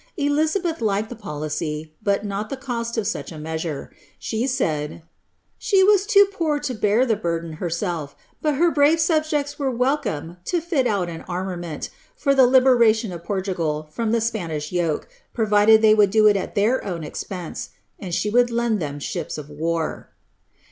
Elizabeth liked the policy, but not the cost of such a mea nre. She said, ^ she was too poor to bear the burden herself, but her mwe subjects were welcome to fit out an armament, for the liberation r Portugal from the Spanish yoke, provided they would do it at their wti expense, and she would lend them ships of war.''